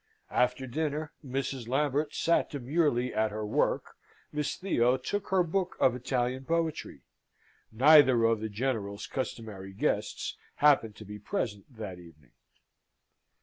After dinner Mrs. Lambert sat demurely at her work, Miss Theo took her book of Italian Poetry. Neither of the General's customary guests happened to be present that evening.